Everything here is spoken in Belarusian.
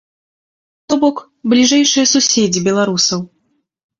То бок, бліжэйшыя суседзі беларусаў.